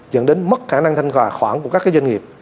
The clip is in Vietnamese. dẫn đến mất khả năng thanh hòa khoản của các doanh nghiệp